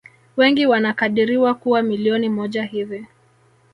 Wengi wanakadiriwa kuwa milioni moja hivi